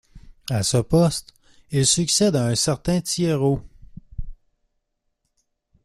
À ce poste, il succède à un certain Thiriot.